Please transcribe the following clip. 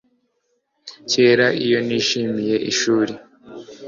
kera iyo nishimiye ishuri